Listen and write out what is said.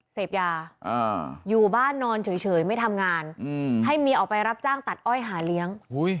เสพยาอยู่บ้านนอนเฉยไม่ทำงานให้เมียออกไปรับจ้างตัดอ้อยหาเลี้ยง